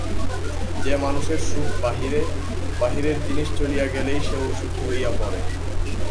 যে মানুষের সুখ বাহিরে, বাহিরের জিনিষ চলিয়া গেলেই সে অসুখী হইয়া পড়ে।